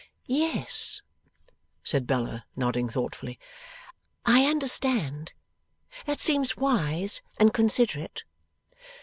'Yes,' said Bella, nodding thoughtfully; 'I understand. That seems wise, and considerate.